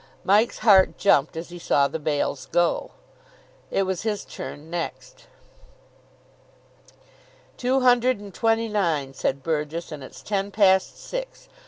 Mike's heart jumped as he saw the bails go. It was his turn next. "Two hundred and twenty nine," said Burgess, "and it's ten past six.